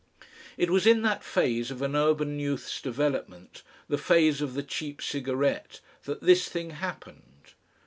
It was in that phase of an urban youth's development, the phase of the cheap cigarette, that this thing happened.